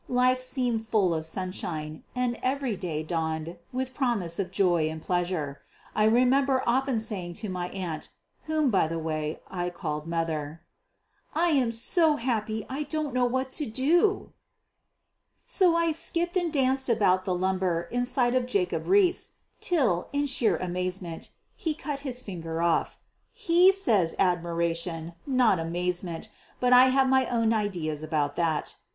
Life seemed full of sunshine, and every day dawned with promise of joy and pleasure. I remember often saying to my aunt, whom, by the way, I called mother, "I am so happy I don't know what to do!" [Illustration: Elizabeth's Mother.] So I skipped and danced about among the lumber in the sight of Jacob Riis, till, in sheer amazement, he cut his finger off. He says admiration, not amazement, but I have my own ideas about that.